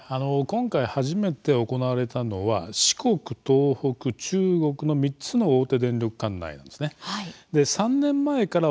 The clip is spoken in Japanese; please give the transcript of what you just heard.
今回、初めて行われたのは四国、東北、中国の３つの大手電力管内なんですね。